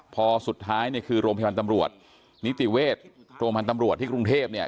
พอสุดท้ายเนี่ยคือโรงพยาบาลตำรวจนิติเวชโรงพยาบาลตำรวจที่กรุงเทพเนี่ย